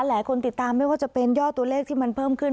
หลายคนติดตามไม่ว่าจะเป็นยอดตัวเลขที่มันเพิ่มขึ้น